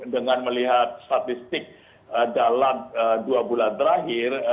dengan melihat statistik dalam dua bulan terakhir